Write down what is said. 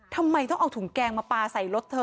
ทำไมต้องเอาถุงแกงมาปลาใส่รถเธอ